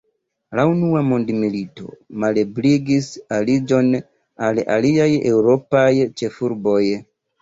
La unua mondmilito malebligis aliĝon al aliaj eŭropaj ĉefurboj.